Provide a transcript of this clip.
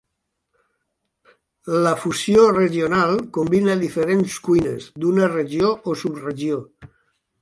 La fusió regional combina diferents cuines d"una regió o subregió.